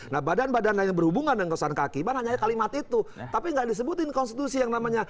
tapi nggak disebutin konstitusi yang namanya